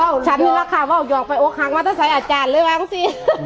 โอ้ฉันนึกว่าโอกหักไปโอกหังว่าจะใช้อาจารย์เลยบ้างสิ